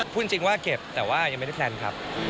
พูดจริงว่าเก็บแต่ว่ายังไม่ได้แพลนครับ